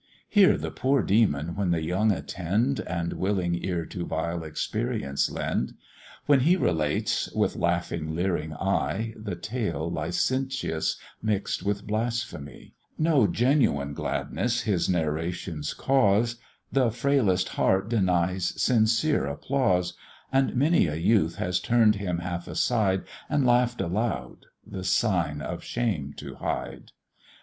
Hear the poor demon when the young attend, And willing ear to vile experience lend; When he relates (with laughing, leering eye) The tale licentious, mix'd with blasphemy: No genuine gladness his narrations cause, The frailest heart denies sincere applause; And many a youth has turn'd him half aside, And laugh'd aloud, the sign of shame to hide.